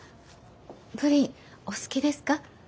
プリンお好きですか？